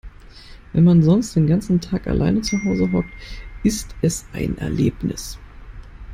Wenn man sonst den ganzen Tag allein zu Hause hockt, ist es ein Erlebnis.